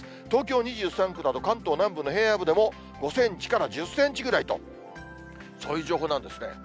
東京２３区など、関東南部の平野部でも５センチから１０センチぐらいと、そういう情報なんですね。